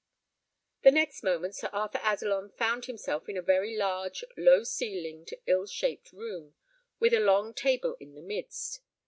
The next moment Sir Arthur Adelon found himself in a very large, low ceilinged, ill shaped room, with a long table in the midst.